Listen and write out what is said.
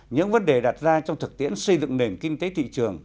những vấn đề đặt ra trong thực tiễn xây dựng nền kinh tế thị trường